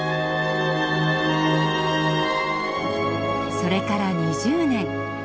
それから２０年。